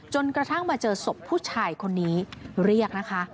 จนกระทั่งมาเจอศพผู้ชายคนนี้เรียกนะคะ